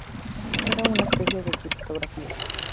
Era una especie de criptografía.